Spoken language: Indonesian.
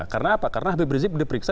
karena apa karena habib rizieq diperiksa